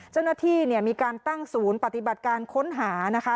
เจ้าหน้าที่เนี่ยมีการตั้งศูนย์ปฏิบัติการค้นหานะคะ